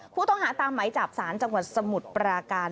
ผู้ต้องหาตามไหมจับสารจังหวัดสมุทรปราการ